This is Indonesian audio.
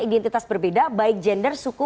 identitas berbeda baik gender suku